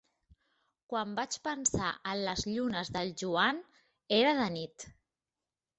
Quan vaig pensar en les llunes del Joan, era de nit.